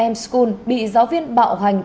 m school bị giáo viên bạo hành